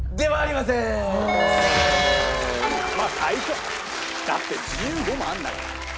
まあ最初だって１５もあるんだから。